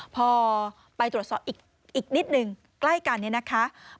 ไปตรูดสอบอีกนิดหนึ่งใกล้กันนะครับ